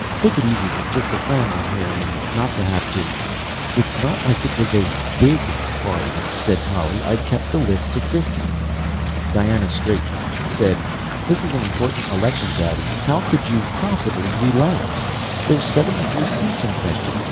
"Take it easy with just the family here and not have to " "It's not like it was a big party," said Polly. "I've kept the list to fifty." Diana straightened, said: "This is an important election Daddy! How could you possibly relax? There're seventy three seats in question